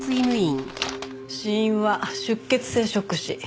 死因は出血性ショック死。